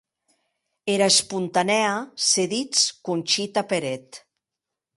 Era esponanèa se dits Conxita Peret.